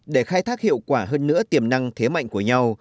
để khai thác hiệu quả hơn nữa tiềm năng thế mạnh của nhau